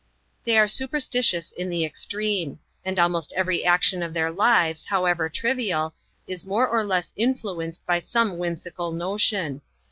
They are superstitious in the extreme; and almost every action of their lives, however trivial, is more or less influen ced by some whimsical notion.